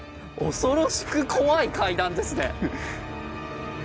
恐ろしく怖い階段ですね。